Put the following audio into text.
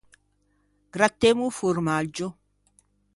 Grattemmo o formaggio.